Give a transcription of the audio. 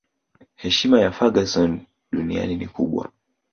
heshima ya Ferguson duniani ni kubwa